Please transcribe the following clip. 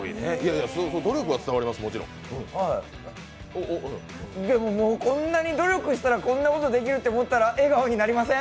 努力は伝わります、もちろんこんなに努力したらこんなことできるって思ったら笑顔になりません？